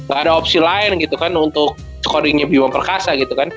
gak ada opsi lain gitu kan untuk scoringnya bima perkasa gitu kan